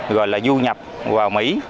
gọi là du nhập vào mỹ